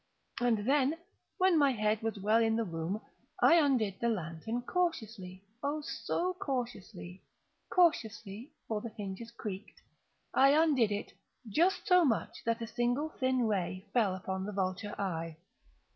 And then, when my head was well in the room, I undid the lantern cautiously—oh, so cautiously—cautiously (for the hinges creaked)—I undid it just so much that a single thin ray fell upon the vulture eye.